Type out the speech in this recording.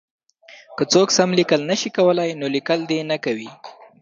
که څوک سم لیکل نه شي کولای نو لیکل دې نه کوي.